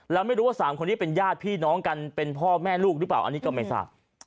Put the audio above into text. แล้วไม่รู้ว่า๓คนนี้เป็นญาติพี่น้องกันเป็นพ่อแม่ลูกหรือเปล่าอันนี้ก็ไม่ทราบ